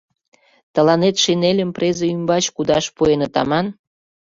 Тыланет шинельым презе ӱмбач кудаш пуэныт аман...